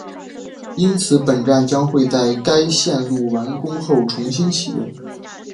因此本站将会在该线路完工后重新启用